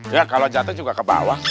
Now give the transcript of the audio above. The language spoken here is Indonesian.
ya kalau jatuh juga ke bawah